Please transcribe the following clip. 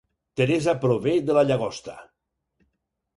Teresa prové de la Llagosta